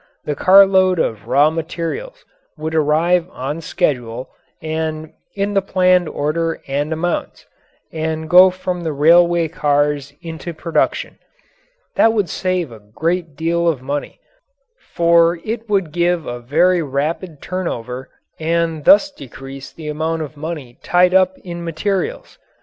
The carloads of raw materials would arrive on schedule and in the planned order and amounts, and go from the railway cars into production. That would save a great deal of money, for it would give a very rapid turnover and thus decrease the amount of money tied up in materials.